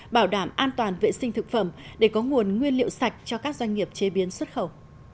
bảo đảm an toàn vệ sinh thực phẩm để có nguồn nguyên liệu sạch cho các doanh nghiệp chế biến xuất khẩu